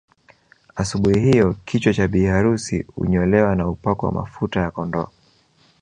Asubuhi hiyo kichwa cha bi harusi unyolewa na hupakwa mafuta ya kondoo